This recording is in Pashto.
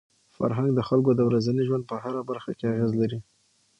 فرهنګ د خلکو د ورځني ژوند په هره برخه کي اغېز لري.